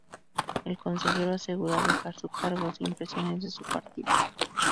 El consejero asegura dejar su cargo sin presiones de su partido.